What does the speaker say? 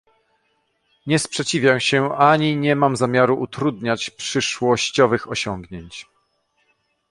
nie sprzeciwiam się ani nie mam zamiaru utrudniać przyszłościowych osiągnięć